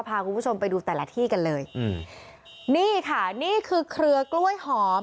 พาคุณผู้ชมไปดูแต่ละที่กันเลยอืมนี่ค่ะนี่คือเครือกล้วยหอม